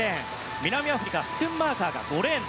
南アフリカのスクンマーカーが５レーン。